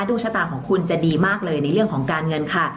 ดวงชะตาของคุณจะดีมากเลยในเรื่องของการเงินค่ะ